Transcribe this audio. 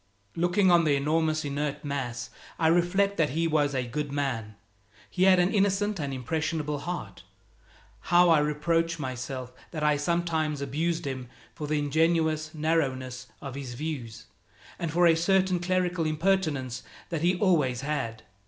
Looking on the enormous inert mass, I reflect that he was a good man. He had an innocent and impressionable heart. How I reproach myself that I sometimes abused him for the ingenuous narrowness of his views, and for a certain clerical impertinence that he always had!